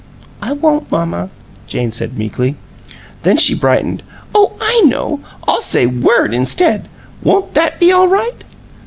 "I won't, mamma," Jane said, meekly. Then she brightened. "Oh, I know! I'll say 'word' instead. Won't that be all right?"